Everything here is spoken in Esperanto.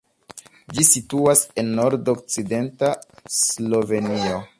Ĝi situas en nord-okcidenta Slovenio.